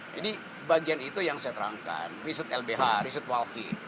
jadi bagian itu yang saya terangkan riset lbh riset walhi